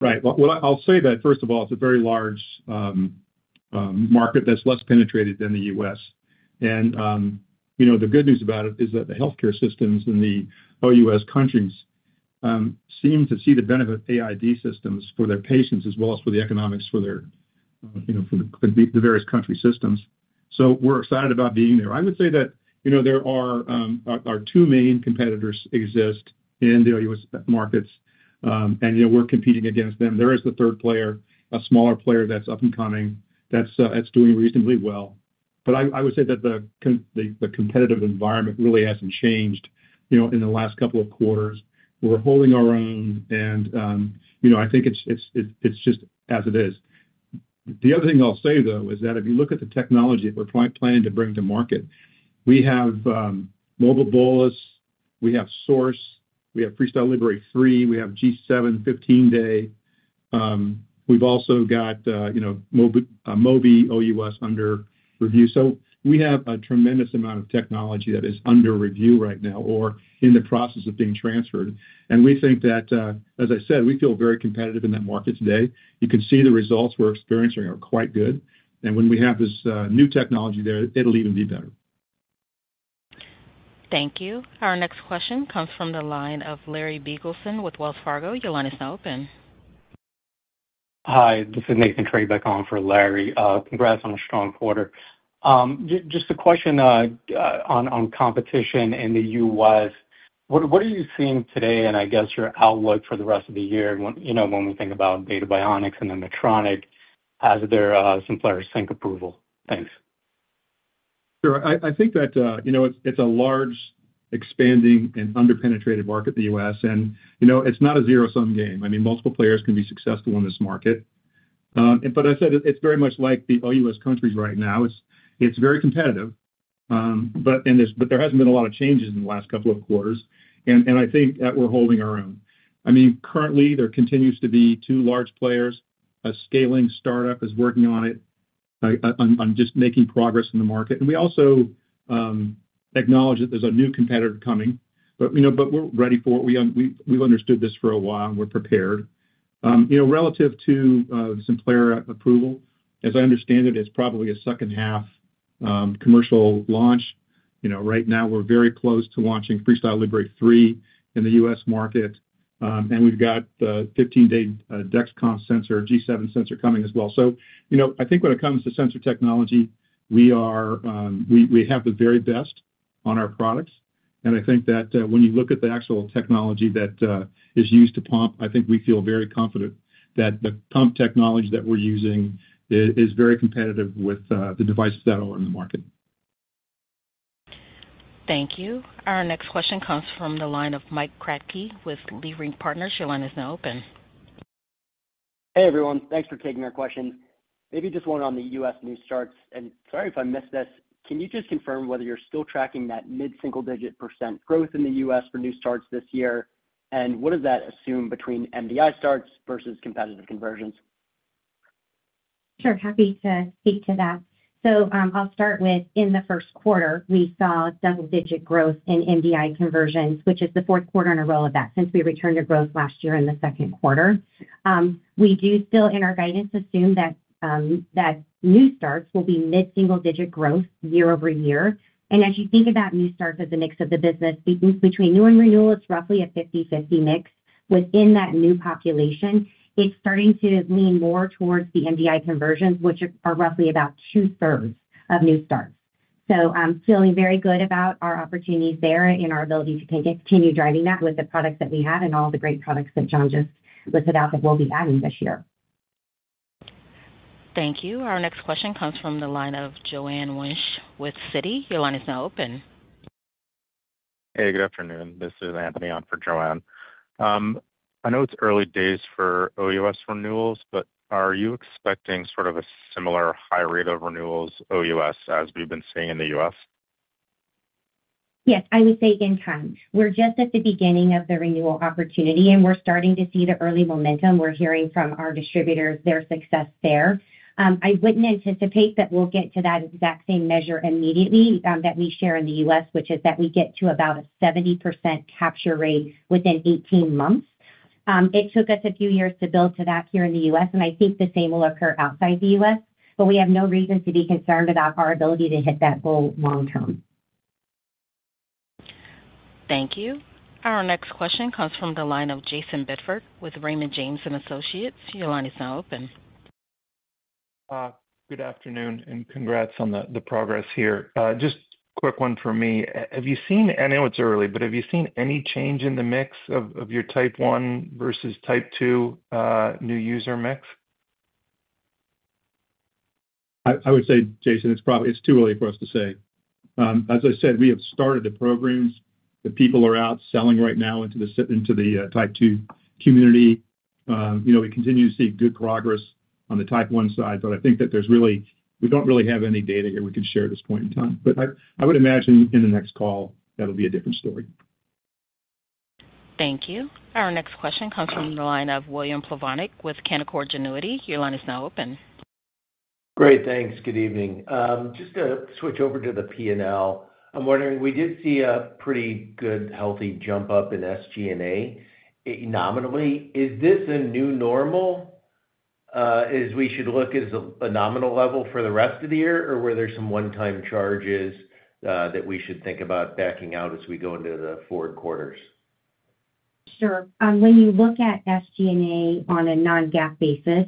Speaker 3: Right. I'll say that first of all, it's a very large market that's less penetrated than the U.S.. The good news about it is that the healthcare systems in the OUS countries seem to see the benefit of AID systems for their patients as well as for the economics for the various country systems. We're excited about being there. I would say that there are two main competitors that exist in the OUS markets, and we're competing against them. There is the third player, a smaller player that's up and coming that's doing reasonably well. I would say that the competitive environment really hasn't changed in the last couple of quarters. We're holding our own, and I think it's just as it is. The other thing I'll say, though, is that if you look at the technology that we're planning to bring to market, we have Mobi Bolus, we have Source, we have FreeStyle Libre 3, we have G7 15-day. We've also got Mobi OUS under review. We have a tremendous amount of technology that is under review right now or in the process of being transferred. We think that, as I said, we feel very competitive in that market today. You can see the results we're experiencing are quite good. When we have this new technology there, it'll even be better.
Speaker 1: Thank you. Our next question comes from the line of Larry Biegelson with Wells Fargo. Your line is now open.
Speaker 15: Hi. This is Nathan Treybeck on for Larry. Congrats on a strong quarter. Just a question on competition in the U.S.. What are you seeing today and I guess your outlook for the rest of the year when we think about Data Bionics and Medtronic as their Simplera Sync approval? Thanks.
Speaker 3: Sure. I think that it's a large, expanding, and underpenetrated market in the U.S.. It's not a zero-sum game. I mean, multiple players can be successful in this market. I said it's very much like the OUS countries right now. It's very competitive, but there hasn't been a lot of changes in the last couple of quarters. I think that we're holding our own. I mean, currently, there continues to be two large players. A scaling startup is working on it, on just making progress in the market. We also acknowledge that there's a new competitor coming, but we're ready for it. We've understood this for a while, and we're prepared. Relative to Simplera approval, as I understand it, it's probably a second-half commercial launch. Right now, we're very close to launching FreeStyle Libre 3 in the U.S. market. We have the 15-day Dexcom G7 sensor coming as well. I think when it comes to sensor technology, we have the very best on our products. I think that when you look at the actual technology that is used to pump, I think we feel very confident that the pump technology that we're using is very competitive with the devices that are in the market.
Speaker 1: Thank you. Our next question comes from the line of Mike Kratky with Leerink Partners. Your line is now open.
Speaker 16: Hey, everyone. Thanks for taking our questions. Maybe just one on the U.S. new starts. Sorry if I missed this. Can you just confirm whether you're still tracking that mid-single-digit % growth in the U.S. for new starts this year? What does that assume between MDI starts vs competitive conversions?
Speaker 4: Sure. Happy to speak to that. I'll start with, in the first quarter, we saw double-digit growth in MDI conversions, which is the fourth quarter in a row of that since we returned to growth last year in the second quarter. We do still, in our guidance, assume that new starts will be mid-single-digit growth year over year. As you think about new starts as a mix of the business, between new and renewal, it's roughly a 50/50 mix. Within that new population, it's starting to lean more towards the MDI conversions, which are roughly about two-thirds of new starts. Feeling very good about our opportunities there and our ability to continue driving that with the products that we have and all the great products that John just listed out that we'll be adding this year.
Speaker 1: Thank you. Our next question comes from the line of Joanne Winch with Citi. Your line is now open. Hey, good afternoon. This is Anthony on for Joanne. I know it's early days for OUS renewals, but are you expecting sort of a similar high rate of renewals OUS as we've been seeing in the U.S.?
Speaker 4: Yes, I would say in time. We're just at the beginning of the renewal opportunity, and we're starting to see the early momentum. We're hearing from our distributors their success there. I wouldn't anticipate that we'll get to that exact same measure immediately that we share in the U.S., which is that we get to about a 70% capture rate within 18 months. It took us a few years to build to that here in the U.S., and I think the same will occur outside the U.S., but we have no reason to be concerned about our ability to hit that goal long term.
Speaker 1: Thank you. Our next question comes from the line of Jayson Bedford with Raymond James and Associates. Your line is now open.
Speaker 17: Good afternoon, and congrats on the progress here. Just a quick one for me. Have you seen—I know it's early—but have you seen any change in the mix of your type 1 vs type 2 new user mix?
Speaker 3: I would say, Jason, it's too early for us to say. As I said, we have started the programs. The people are out selling right now into the type 2 community. We continue to see good progress on the type 1 side, but I think that there's really—we don't really have any data here we could share at this point in time. I would imagine in the next call, that'll be a different story.
Speaker 1: Thank you. Our next question comes from the line of William Plovanic with Canaccord Genuity. Your line is now open.
Speaker 18: Great. Thanks. Good evening. Just to switch over to the P&L, I'm wondering, we did see a pretty good, healthy jump up in SG&A nominally. Is this a new normal? Is we should look as a nominal level for the rest of the year, or were there some one-time charges that we should think about backing out as we go into the fourth quarters?
Speaker 4: Sure. When you look at SG&A on a non-GAAP basis,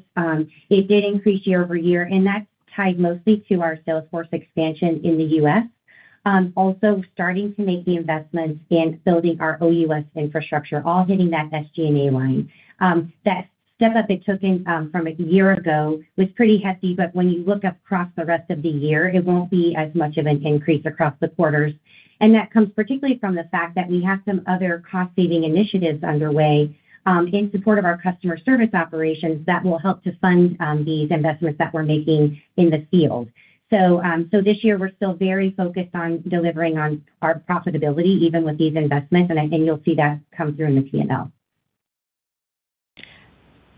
Speaker 4: it did increase year over year, and that's tied mostly to our Salesforce expansion in the U.S.. Also, starting to make the investments in building our OUS infrastructure, all hitting that SG&A line. That step up it took in from a year ago was pretty hefty, but when you look across the rest of the year, it won't be as much of an increase across the quarters. That comes particularly from the fact that we have some other cost-saving initiatives underway in support of our customer service operations that will help to fund these investments that we're making in the field. This year, we're still very focused on delivering on our profitability even with these investments, and you'll see that come through in the P&L.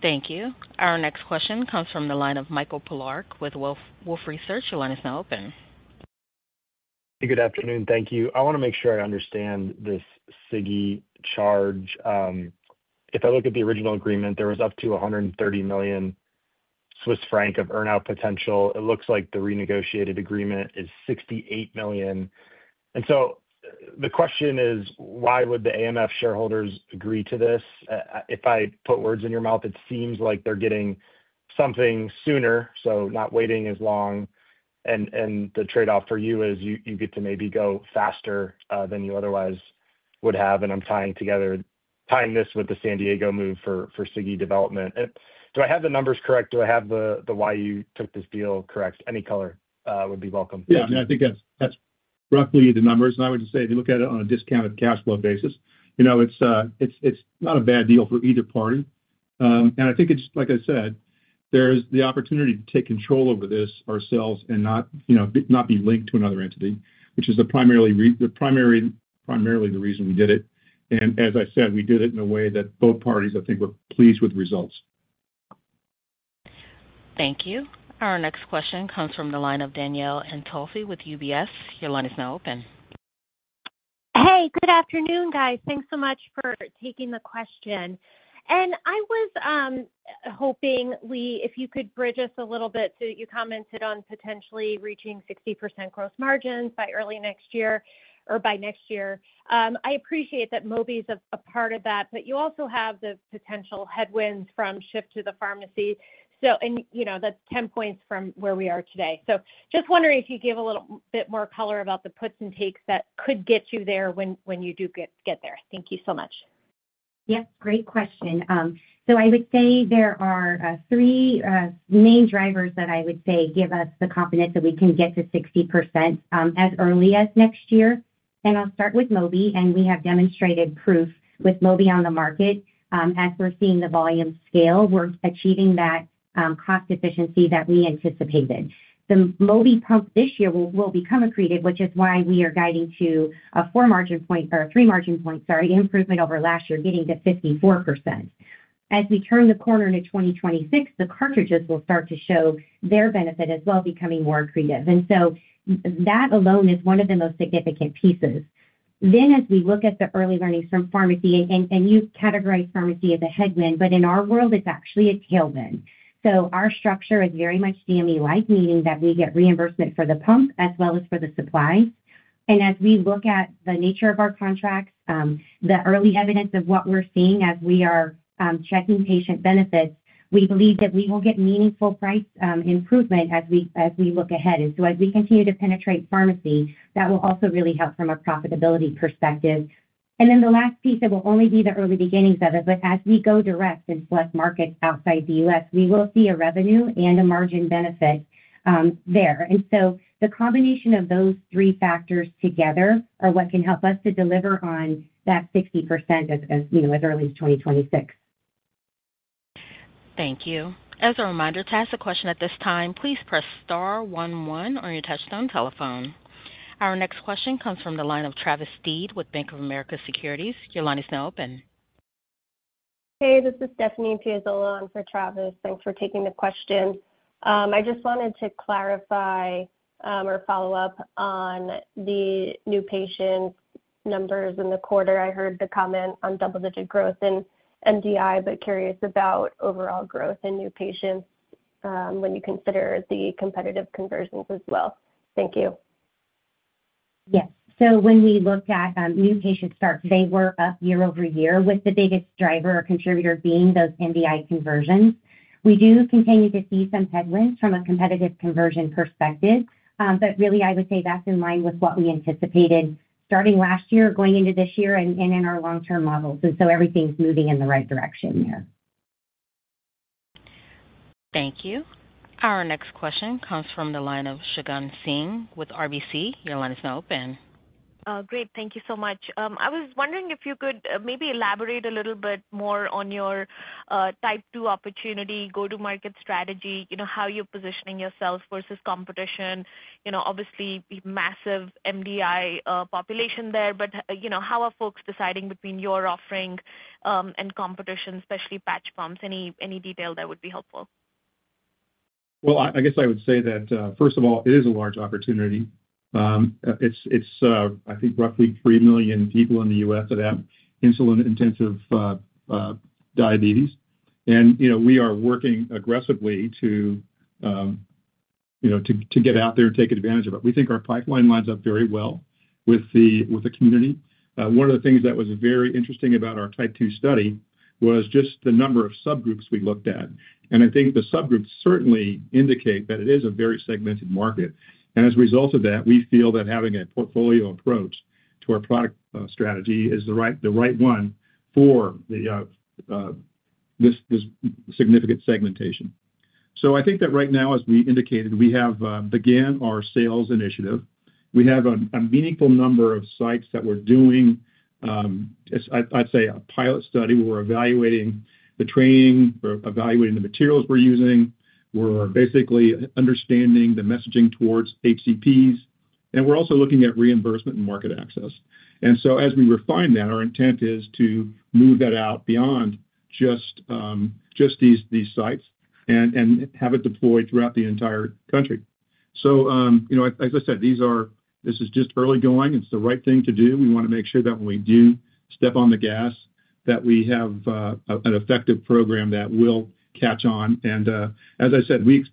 Speaker 1: Thank you. Our next question comes from the line of Michael Polark with Wolfe Research. Your line is now open.
Speaker 19: Hey, good afternoon. Thank you. I want to make sure I understand this SIGGI charge. If I look at the original agreement, there was up to 130 million Swiss franc of earnout potential. It looks like the renegotiated agreement is 68 million. The question is, why would the AMS shareholders agree to this? If I put words in your mouth, it seems like they're getting something sooner, not waiting as long. The trade-off for you is you get to maybe go faster than you otherwise would have. I'm tying this with the San Diego move for SIGGI development. Do I have the numbers correct? Do I have the why you took this deal correct? Any color would be welcome.
Speaker 3: Yeah. I mean, I think that's roughly the numbers. I would just say, if you look at it on a discounted cash flow basis, it's not a bad deal for either party. I think it's, like I said, there's the opportunity to take control over this ourselves and not be linked to another entity, which is primarily the reason we did it. As I said, we did it in a way that both parties, I think, were pleased with the results.
Speaker 1: Thank you. Our next question comes from the line of Danielle Antalffy with UBS. Your line is now open.
Speaker 20: Hey, good afternoon, guys. Thanks so much for taking the question. I was hoping if you could bridge us a little bit to you commented on potentially reaching 60% gross margins by early next year or by next year. I appreciate that Mobi is a part of that, but you also have the potential headwinds from shift to the pharmacy. That is 10% points from where we are today. Just wondering if you give a little bit more color about the puts and takes that could get you there when you do get there. Thank you so much.
Speaker 4: Great question. I would say there are three main drivers that I would say give us the confidence that we can get to 60% as early as next year. I'll start with Mobi, and we have demonstrated proof with Mobi on the market. As we're seeing the volume scale, we're achieving that cost efficiency that we anticipated. The Mobi pump this year will become accretive, which is why we are guiding to a three-margin point improvement over last year, getting to 54%. As we turn the corner into 2026, the cartridges will start to show their benefit as well, becoming more accretive. That alone is one of the most significant pieces. As we look at the early learnings from pharmacy, and you categorize pharmacy as a headwind, in our world, it's actually a tailwind. Our structure is very much CME-like, meaning that we get reimbursement for the pump as well as for the supplies. As we look at the nature of our contracts, the early evidence of what we're seeing as we are checking patient benefits, we believe that we will get meaningful price improvement as we look ahead. As we continue to penetrate pharmacy, that will also really help from a profitability perspective. The last piece, it will only be the early beginnings of it, but as we go direct in select markets outside the U.S., we will see a revenue and a margin benefit there. The combination of those three factors together are what can help us to deliver on that 60% as early as 2026.
Speaker 1: Thank you. As a reminder to ask a question at this time, please press star one one on your touchstone telephone. Our next question comes from the line of Travis Steed with Bank of America Securities. Your line is now open.
Speaker 21: Hey, this is Stephanie Piazzolla for Travis. Thanks for taking the question. I just wanted to clarify or follow up on the new patient numbers in the quarter. I heard the comment on double-digit growth in MDI, but curious about overall growth in new patients when you consider the competitive conversions as well. Thank you.
Speaker 4: Yes. When we look at new patient starts, they were up year over year, with the biggest driver or contributor being those MDI conversions. We do continue to see some headwinds from a competitive conversion perspective, but really, I would say that's in line with what we anticipated starting last year, going into this year, and in our long-term models. Everything's moving in the right direction there.
Speaker 1: Thank you. Our next question comes from the line of Shagun Singh with RBC. Your line is now open.
Speaker 22: Great. Thank you so much. I was wondering if you could maybe elaborate a little bit more on your type 2 opportunity, go-to-market strategy, how you're positioning yourself vs competition. Obviously, massive MDI population there, but how are folks deciding between your offering and competition, especially patch pumps? Any detail that would be helpful?
Speaker 3: I guess I would say that, first of all, it is a large opportunity. It's, I think, roughly 3 million people in the U.S. that have insulin-intensive diabetes. We are working aggressively to get out there and take advantage of it. We think our pipeline lines up very well with the community. One of the things that was very interesting about our type 2 study was just the number of subgroups we looked at. I think the subgroups certainly indicate that it is a very segmented market. As a result of that, we feel that having a portfolio approach to our product strategy is the right one for this significant segmentation. I think that right now, as we indicated, we have begun our sales initiative. We have a meaningful number of sites that we're doing, I'd say, a pilot study. We're evaluating the training, we're evaluating the materials we're using, we're basically understanding the messaging towards HCPs, and we're also looking at reimbursement and market access. As we refine that, our intent is to move that out beyond just these sites and have it deployed throughout the entire country. As I said, this is just early going. It's the right thing to do. We want to make sure that when we do step on the gas, that we have an effective program that will catch on. As I said, we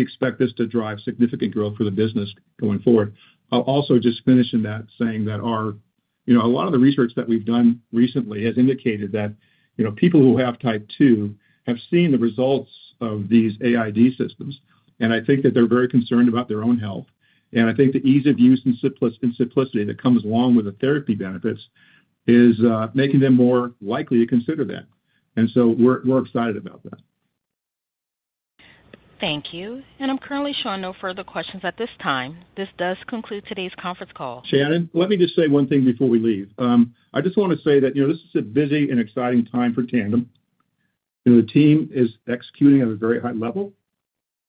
Speaker 3: expect this to drive significant growth for the business going forward. I'll also just finish in that saying that a lot of the research that we've done recently has indicated that people who have type 2 have seen the results of these AID systems, and I think that they're very concerned about their own health. I think the ease of use and simplicity that comes along with the therapy benefits is making them more likely to consider that. We are excited about that.
Speaker 1: Thank you. I'm currently showing no further questions at this time. This does conclude today's conference call.
Speaker 3: Shannon, let me just say one thing before we leave. I just want to say that this is a busy and exciting time for Tandem. The team is executing at a very high level.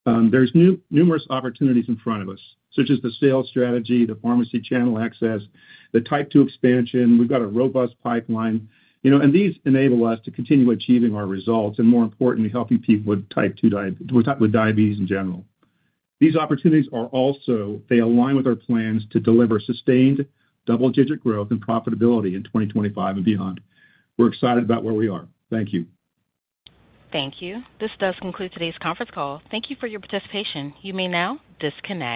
Speaker 3: There are numerous opportunities in front of us, such as the sales strategy, the pharmacy channel access, the type 2 expansion. We have got a robust pipeline. These enable us to continue achieving our results and, more importantly, helping people with type 2 diabetes in general. These opportunities also align with our plans to deliver sustained double-digit growth and profitability in 2025 and beyond. We are excited about where we are. Thank you.
Speaker 1: Thank you. This does conclude today's conference call. Thank you for your participation. You may now disconnect.